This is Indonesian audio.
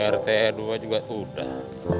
rt dua juga udah